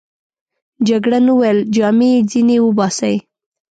جګړن وویل: جامې يې ځینې وباسئ.